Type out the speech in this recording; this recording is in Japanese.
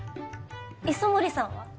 磯森さんは？